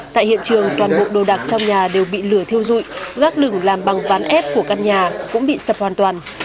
tại hiện trường toàn bộ đồ đạc trong nhà đều bị lửa thiêu dụi gác lửng làm bằng ván ép của căn nhà cũng bị sập hoàn toàn